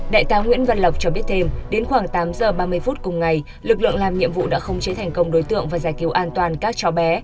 đại tá nguyễn văn lộc cho biết thêm đến khoảng tám giờ ba mươi phút cùng ngày lực lượng làm nhiệm vụ đã không chế thành công đối tượng và giải cứu an toàn các cháu bé